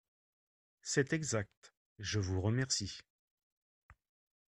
C’est exact, je vous remercie.